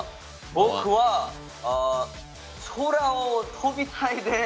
僕は空を飛びたいです！